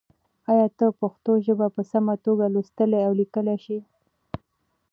ایا ته پښتو ژبه په سمه توګه لوستلی او لیکلی شې؟